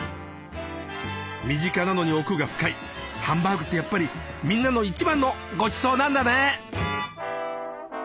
身近なのに奥が深いハンバーグってやっぱりみんなの一番のごちそうなんだね。